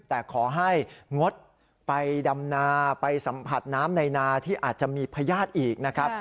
แต่ขอให้งดไปดำนาไปสัมผัสน้ำในนาที่อาจจะมีพญาติอีกนะครับ